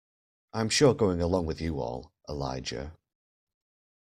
I'm sure going along with you all, Elijah.